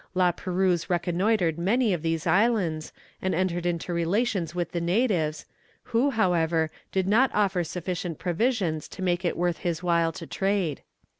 La Perouse reconnoitred many of these islands, and entered into relations with the natives, who, however, did not offer sufficient provisions to make it worth his while to trade.